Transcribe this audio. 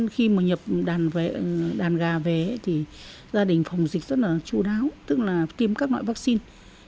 khi mà nhập đàn gà về thì gia đình phòng dịch rất là chú đáo tức là tiêm các loại vaccine